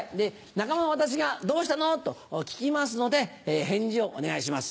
仲間の私が「どうしたの？」と聞きますので返事をお願いします。